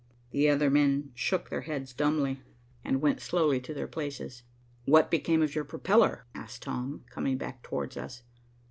The other men shook their heads dumbly, and went slowly to their places. "What became of your propeller?" asked Tom, coming back towards us.